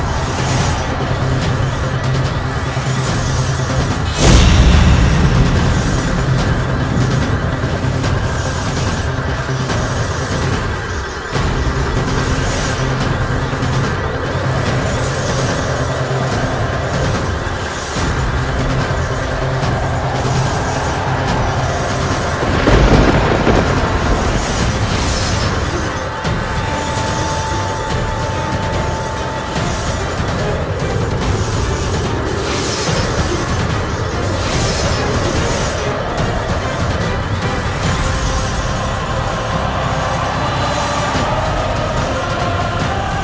akhirnya kamu bereits mampir